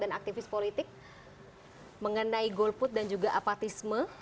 dan aktivis politik mengenai goal put dan juga apatisnya